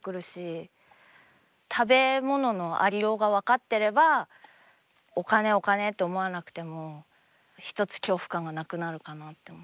食べ物のありようが分かってればお金お金と思わなくても一つ恐怖感がなくなるかなって思って。